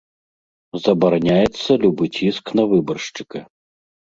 Забараняецца любы ціск на выбаршчыка.